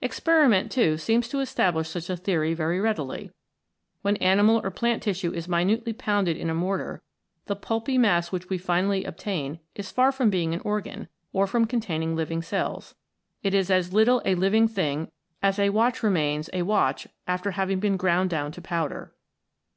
Experiment, too, seems to establish such a theory very readily. When animal or plant tissue is minutely pounded in a mortar, the pulpy mass which we finally obtain is far from being an organ, or from containing living cells. It is as little a living thing as a watch remains a watch after having been ground down to powder.